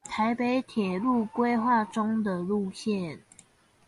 臺灣鐵路規劃中的路線